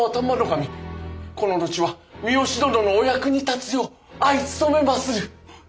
この後は三好殿のお役に立つよう相努めまする。